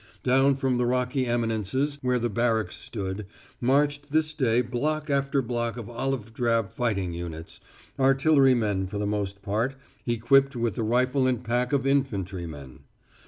Down from the rocky eminences where the barracks stood, marched this day block after block of olive drab fighting units artillerymen for the most part, equipped with the rifle and pack of infantrymen.